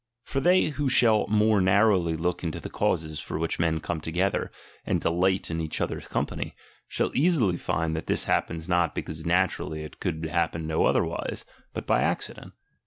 For they who shall more narrowly look into the causes for which men come together, and delight in each other's company, shall easily find that this happens not because naturally it could happen no otherwise, but by accident.